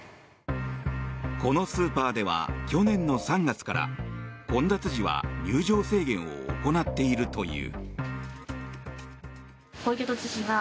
このスーパーでは去年の３月から混雑時は入場制限を行っているという。